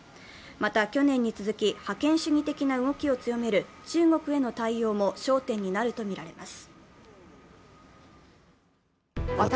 また去年に続き覇権主義的な動きを強める中国への対応も焦点になるとみられます。